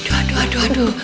aduh aduh aduh aduh